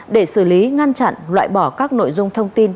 để xử lý ngăn chặn loại bỏ các nội dung thông tin